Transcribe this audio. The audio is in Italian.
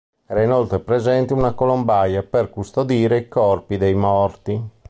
Era inoltre presente una colombaia per custodire i corpi dei morti.